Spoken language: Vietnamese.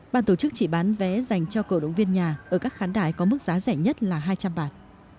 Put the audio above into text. ban tổ chức chỉ bán vé dành cho cổ động viên nhà ở các khán đài có mức giá rẻ nhất là hai trăm linh bạt